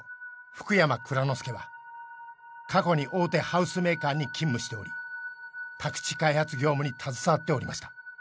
福山蔵之介は過去に大手ハウスメーカーに勤務しており宅地開発業務に携わっておりました。